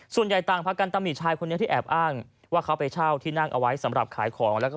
ส่วนใหญ่ต่างพากันตำหนิชายคนนี้ที่แอบอ้างว่าเขาไปเช่าที่นั่งเอาไว้สำหรับขายของแล้วก็